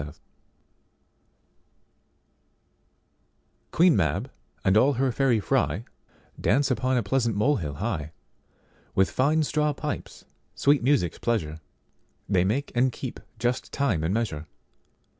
–1674) QUEEN MAB and all her Fairy fry, Dance on a pleasant molehill high:With fine straw pipes sweet music's pleasure, They make and keep just time and measure.